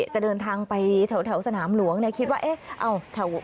จะเดินทางไปแถวสนามหลวงคิดว่าเอ๊ะ